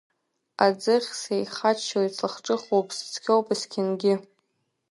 Аӡыхь Сеихаччоит, слахҿыхуп, сыцқьоуп есқьынгьы…